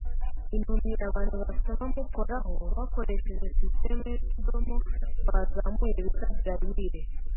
Impumyi abantu basoma mukoraho, bakoresheje sisitemu yutudomo twazamuye bita Braille.